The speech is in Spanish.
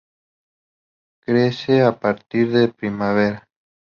Crece a partir de primavera.